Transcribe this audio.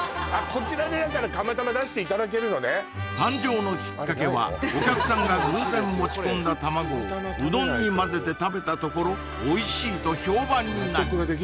こちらでだから釜玉出していただけるのね誕生のきっかけはお客さんが偶然持ち込んだ卵をうどんに混ぜて食べたところおいしいと評判になり